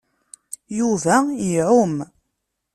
Yuba iɛum.